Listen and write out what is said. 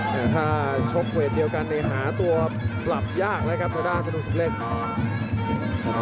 หัวถ้าชบเวทเดียวกันหาตัวปรับยากแล้วครับส่วนด้านกระดูกสุดเล็ก